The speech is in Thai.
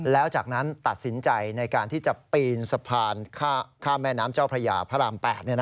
แล้วจากนั้นตัดสินใจในการที่จะปีนสะพานข้ามแม่น้ำเจ้าพระยาพระราม๘